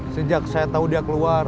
sejak saya tahu dia keluar